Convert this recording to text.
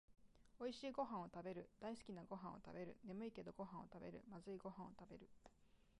おいしいごはんをたべる、だいすきなごはんをたべる、ねむいけどごはんをたべる、まずいごはんをたべる